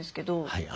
はい。